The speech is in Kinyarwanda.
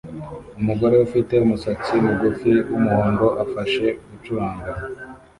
Umugore ufite umusatsi mugufi wumuhondo afashe gucuranga